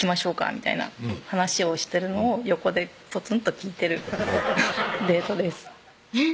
みたいな話をしてるのを横でポツンと聞いてるデートですえっ？